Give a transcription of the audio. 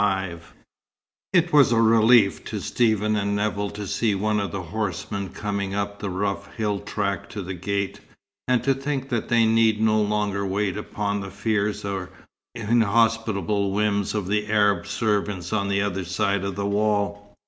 XXV It was a relief to Stephen and Nevill to see one of the horsemen coming up the rough hill track to the gate, and to think that they need no longer wait upon the fears or inhospitable whims of the Arab servants on the other side of the wall.